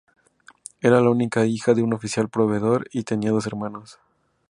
Era la única hija de un oficial proveedor, y tenía dos hermanos.